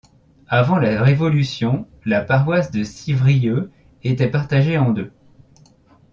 Avant la Révolution, la paroisse de Civrieux était partagée en deux.